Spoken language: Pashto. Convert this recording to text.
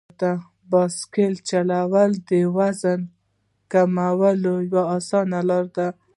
بایسکل چلول د وزن کمولو یوه اسانه لار ده.